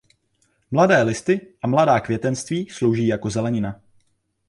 Mladé listy a mladá květenství slouží jako zelenina.